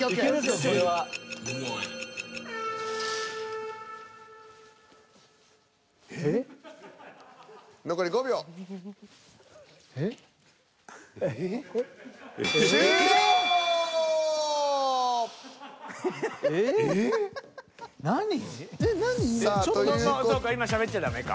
そうか今しゃべっちゃダメか。